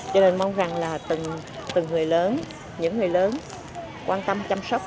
cho nên mong rằng là từng người lớn những người lớn quan tâm chăm sóc